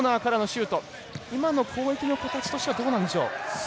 今の攻撃の形どうなんでしょう？